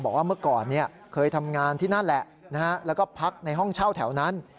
บอกว่าเมื่อก่อนเคยทำงานที่นั่นแหละแล้วก็พักในห้องเช่าแถวนั้น